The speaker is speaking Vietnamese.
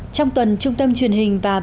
trong tuần trung tâm truyền hình và bình luận